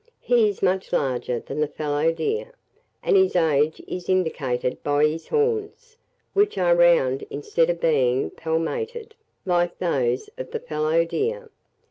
He is much larger than the fallow deer, and his age is indicated by his horns, which are round instead of being palmated, like those of the fallow deer.